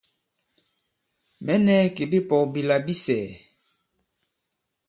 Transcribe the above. Mɛ̌ nɛ̄ kì bipɔ̄k bila bi sɛ̀ɛ̀.